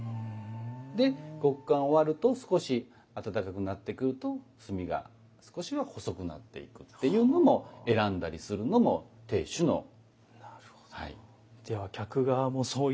で極寒終わると少し暖かくなってくると炭が少しは細くなっていくっていうのも選んだりするのも亭主のはい。